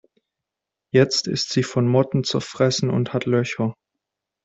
Jetzt ist sie von Motten zerfressen und hat Löcher.